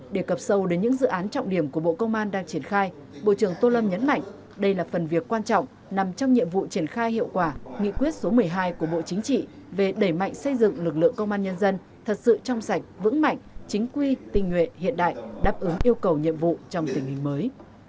để cập sâu đến những dự án trọng điểm của bộ công an đang triển khai bộ trưởng tô lâm nhấn mạnh đây là phần việc quan trọng nằm trong nhiệm vụ triển khai hiệu quả nghị quyết số một mươi hai của bộ chính trị về đẩy mạnh xây dựng lực lượng công an nhân dân thật sự trong sạch vững mạnh chính quy tình nguyện hiện đại đáp ứng yêu cầu nhiệm vụ trong tình hình mới